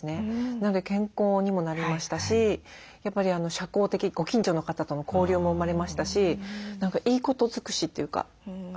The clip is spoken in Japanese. なので健康にもなりましたしやっぱり社交的ご近所の方との交流も生まれましたしいいこと尽くしというか。